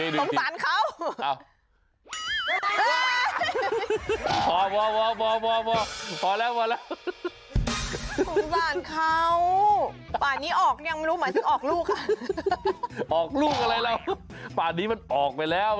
ไม่ต้องอธิบายพอแล้ว